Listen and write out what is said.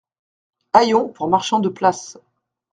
Hayons pour marchands de place.